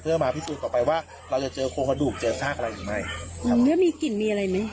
เพื่อมาพิสูจน์ต่อไปว่าเราจะเจอโครงกระดูกเจอชากอะไรอีกไหมมีกลิ่นมีอะไรมั้ย